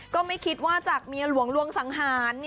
ก็ไม่คิดว่าจากเมียหลวงลวงสังหาร